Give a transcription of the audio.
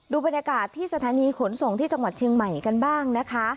บรรยากาศที่สถานีขนส่งที่จังหวัดเชียงใหม่กันบ้างนะคะ